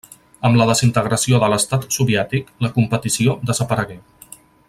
Amb la desintegració de l'estat soviètic la competició desaparegué.